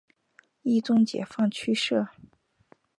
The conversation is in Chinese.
冀中解放区设。